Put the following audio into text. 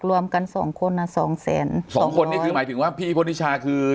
รวมกันสองคนอ่ะสองแสนสองคนนี่คือหมายถึงว่าพี่พลนิชาคือ